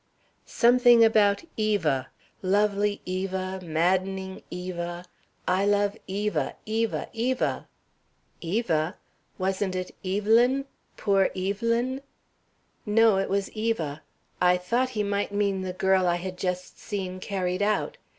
"Something about Eva. 'Lovely Eva, maddening Eva! I love Eva! Eva! Eva!'" "Eva? Wasn't it 'Evelyn? Poor Evelyn?'" "No, it was Eva. I thought he might mean the girl I had just seen carried out.